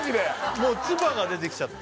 もう唾が出てきちゃった